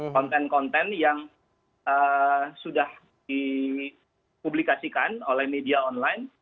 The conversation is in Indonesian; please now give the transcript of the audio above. konten konten yang sudah dipublikasikan oleh media online